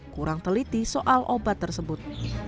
kurang teliti soal obat tersebut